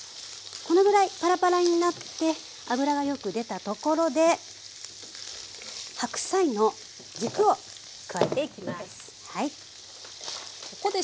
このぐらいパラパラになって油がよく出たところで白菜の軸を加えていきます。